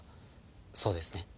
そうですね？